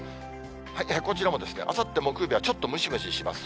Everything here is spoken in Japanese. こちらもあさって木曜日はちょっとムシムシします。